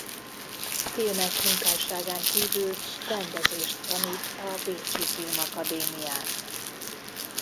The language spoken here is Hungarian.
Filmes munkásságán kívül rendezést tanít a bécsi Filmakadémián.